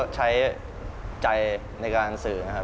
ใช้ใจในการสื่อ